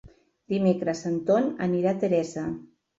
Dimecres en Ton anirà a Teresa.